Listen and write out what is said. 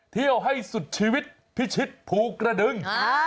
เที่ยวให้สุดชีวิตพิชิตภูกระดึง